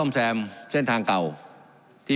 การปรับปรุงทางพื้นฐานสนามบิน